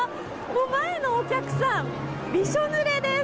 前のお客さん、びしょぬれです。